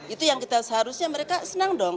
itu yang kita seharusnya mereka senang dong